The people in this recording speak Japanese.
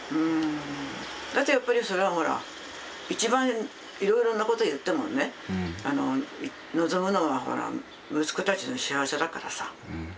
だってやっぱりそれはほら一番いろいろなことを言ってもね望むのは息子たちの幸せだからさ。